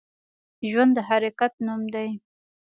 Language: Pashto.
ژوند د حرکت نوم دی